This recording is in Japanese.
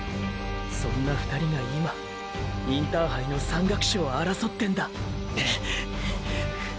そんな２人が今インターハイの山岳賞争ってんだハッハァッハァッ！